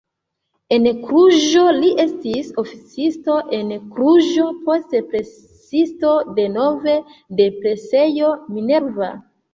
En Kluĵo li estis oficisto en Kluĵo, poste presisto denove de presejo Minerva.